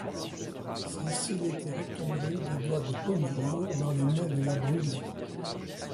Cécile était retombée des doigts de Bonnemort dans les mains de la Brûlé.